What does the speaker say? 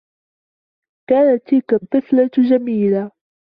كانت تلك الطّفلة جميلة.